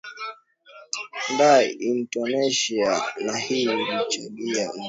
nda indonesia na hii inachajia indonesia kuwa moja ya masoko